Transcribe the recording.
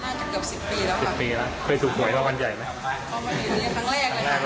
น่าจะเกือบ๑๐ปีแล้วครับ